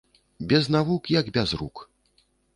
Без навук як без рук